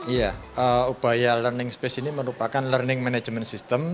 iya upaya learning space ini merupakan learning management system